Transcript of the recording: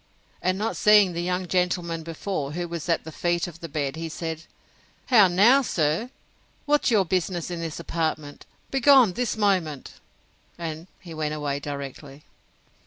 And not seeing the young gentleman before, who was at the feet of the bed, he said, How now, sir? What's your business in this apartment? Begone this moment!—And he went away directly.